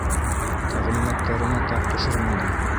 Тәғлимәттәренә тап төшөрмәне.